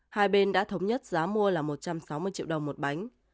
hai bên đã thống nhất giá mua là một trăm sáu mươi triệu đồng một bánh